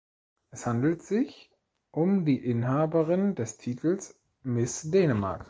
Es handelt sich um die Inhaberin des Titels Miss Dänemark.